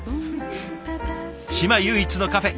島唯一のカフェ